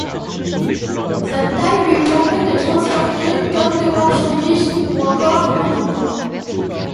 Cette taille lui permet de transporter tonnes de marchandises, ou encore animaux.